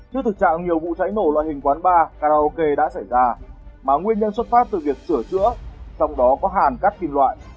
trước thực trạng nhiều vụ cháy nổ loại hình quán bar karaoke đã xảy ra mà nguyên nhân xuất phát từ việc sửa chữa trong đó có hàn cắt kim loại